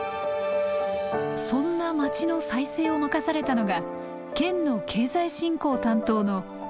そんな町の再生を任されたのが県の経済振興担当の北畑隆生。